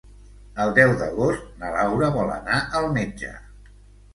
El deu d'agost na Laura vol anar al metge.